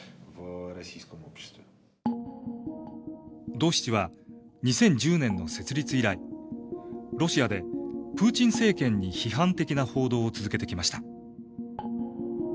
ドーシチは２０１０年の設立以来ロシアでプーチン政権に批判的な報道を続けてきました。